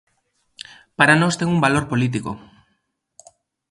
Para nós ten un valor político.